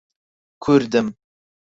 کوردم.